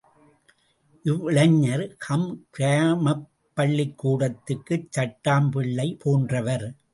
இவ்விளைஞர் கம் கிராமப் பள்ளிக்கூடத்துச் சட்டாம்பிள்ளைப் போன்றவர்.